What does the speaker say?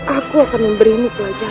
aku akan memberimu pelajaran